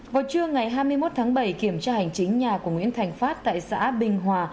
vào trưa ngày hai mươi một tháng bảy kiểm tra hành chính nhà của nguyễn thành phát tại xã bình hòa